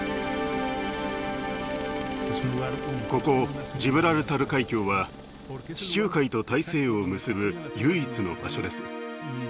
ここジブラルタル海峡は地中海と大西洋を結ぶ唯一の場所です。